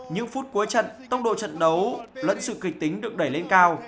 những phút cuối trận tốc độ trận đấu lẫn sự kịch tính được đẩy lên cao